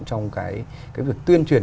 trong cái việc tuyên truyền